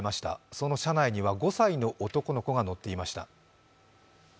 その車内には５歳の男の子が乗っていました。